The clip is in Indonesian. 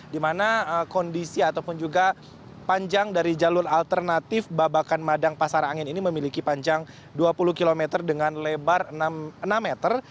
di mana kondisi ataupun juga panjang dari jalur alternatif babakan madang pasar angin ini memiliki panjang dua puluh km dengan lebar enam meter